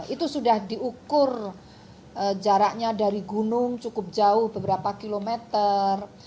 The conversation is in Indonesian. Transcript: itu sudah diukur jaraknya dari gunung cukup jauh beberapa kilometer